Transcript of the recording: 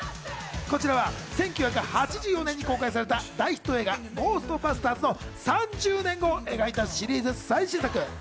こちら１９８４年に公開された大ヒット映画『ゴーストバスターズ』の３０年後を描いたシリーズ最新作。